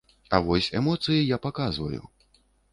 А вось эмоцыі я паказваю.